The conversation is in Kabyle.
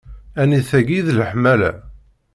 Ɛni d taki i d leḥmala?